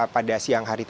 pada siang hari ini